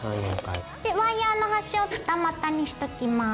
ワイヤーの端を二股にしときます。